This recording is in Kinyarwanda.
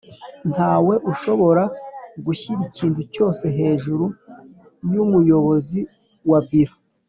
ntawe ushobora gushyira ikintu cyose hejuru yumuyobozi wa biro